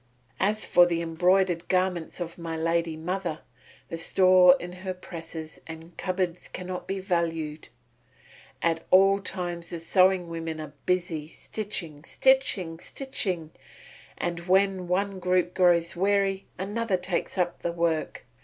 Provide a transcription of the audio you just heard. "As for the embroidered garments of my lady mother, the store in her presses and cupboards cannot be valued. At all times the sewing women are busy, stitching, stitching, stitching, and when one group grows weary, another takes up the work.